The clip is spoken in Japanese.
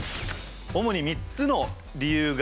主に３つの理由が。